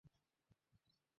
ভালোভাবে কাজ করতে হবে।